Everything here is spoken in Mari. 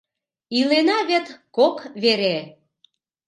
Илена вет кок вере...